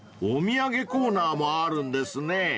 ［お土産コーナーもあるんですね］